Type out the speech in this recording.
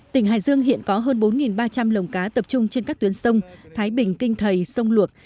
tỉnh hải dương hiện có hơn bốn ba trăm linh lồng cá tập trung trên các tuyến sông thái bình kinh thầy sông luộc